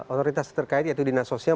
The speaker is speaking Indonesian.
otoritas terkait yaitu dinas sosial